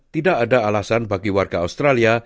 tidak ada alasan bagi warga australia